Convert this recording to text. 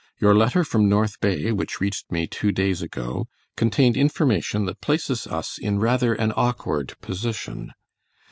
Your letter from North Bay, which reached me two days ago, contained information that places us in rather an awkward position.